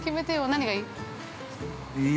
何がいい？